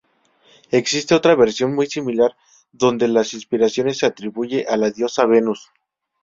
Existe otra versión muy similar donde la inspiración se atribuye a la diosa Venus.